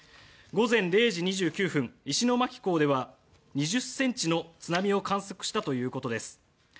午前０時２９分、石巻港では２０ｃｍの津波を観測したということです。